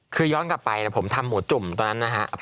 คือย้อนกลับไปผมทำหมูจุ่มตอนนั้นนะฮะ